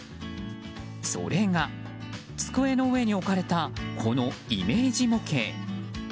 それが、机の上に置かれたこのイメージ模型。